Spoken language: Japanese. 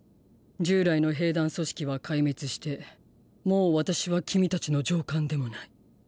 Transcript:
従来の兵団組織は壊滅してもう私は君たちの上官でもない。